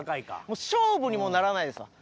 もう勝負にもならないですわ。